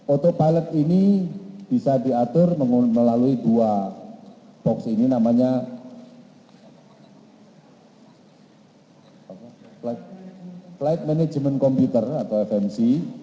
autopilot ini bisa diatur melalui dua box ini namanya flight management computer atau fmc